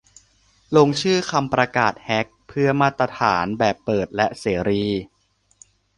ลงชื่อ "คำประกาศเฮก" - เพื่อมาตรฐานแบบเปิดและเสรี